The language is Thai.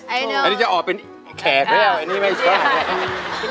อันนี้จะออกเป็นแขกแล้วอันนี้ไม่ใช่